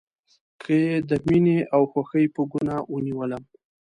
که یې د میینې او خوښۍ په ګناه ونیولم